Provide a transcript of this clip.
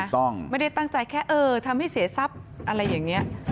ไม่ต้องไม่ได้ตั้งใจแค่เออทำให้เสียทรัพย์อะไรอย่างเงี้ย